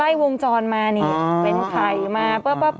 ไล่วงจรมานี่เว้นไข่มา